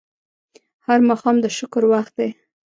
هر ماښام د شکر وخت دی